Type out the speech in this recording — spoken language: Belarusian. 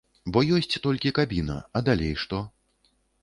Бо ёсць толькі кабіна, а далей што?